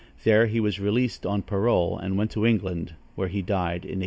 There he was released on parole and went to England, where he died in 1813.